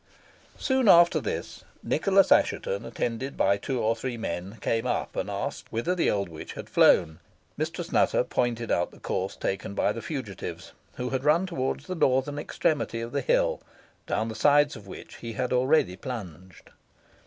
Soon after this, Nicholas Assheton, attended by two or three men, came up, and asked whither the old witch had flown. Mistress Nutter pointed out the course taken by the fugitive, who had run towards the northern extremity of the hill, down the sides of which he had already plunged.